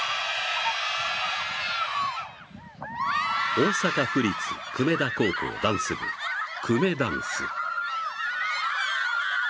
大阪府立久米田高校ダンス部くめだんす。